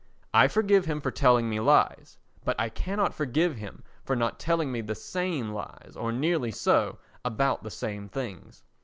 I forgive him for telling me lies, but I cannot forgive him for not telling me the same lies, or nearly so, about the same things.